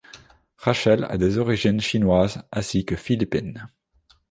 Rachel a des origines chinoises ainsi que philippines.